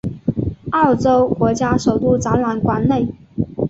澳洲国家首都展览馆内。